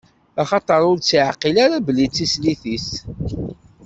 Axaṭer ur tt-iɛqil ara belli d tislit-is.